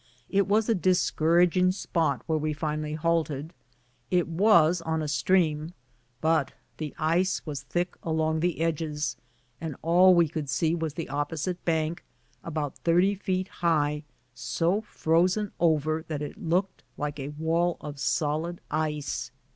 It was a discouraging spot where we finally halted ; it was on a stream, but the ice was thick along the edges, and all we could see was the opposite bank, about thirty feet high, so frozen over that it looked like a wall of solid ice.